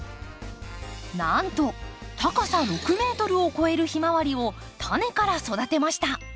なんと高さ６ｍを超えるヒマワリをタネから育てました。